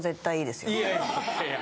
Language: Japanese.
いやいやいや。